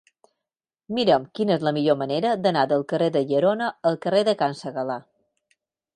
Mira'm quina és la millor manera d'anar del carrer de Llerona al carrer de Can Segalar.